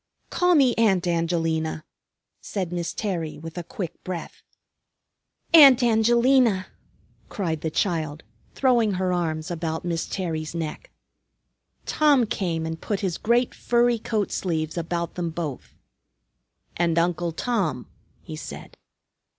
"Call me Aunt Angelina," said Miss Terry with a quick breath. "Aunt Angelina," cried the child, throwing her arms about Miss Terry's neck. Tom came and put his great furry coat sleeves about them both. "And Uncle Tom," he said.